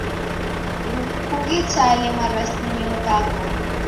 Kughitale marasimio ghako.